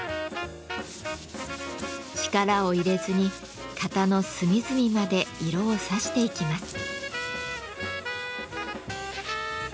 力を入れずに型の隅々まで色をさしていきます。